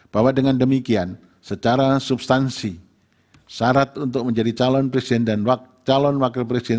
bahwa dengan demikian secara substansi syarat untuk menjadi calon presiden dan calon wakil presiden